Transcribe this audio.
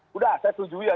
sudah saya setuju ya